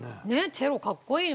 チェロかっこいいよ。